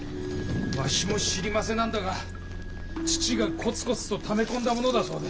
わしも知りませなんだが父がコツコツとため込んだものだそうで。